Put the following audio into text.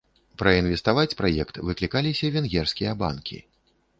Праінвеставаць праект выклікаліся венгерскія банкі.